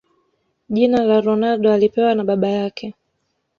Jina la Ronaldo alipewa na baba yake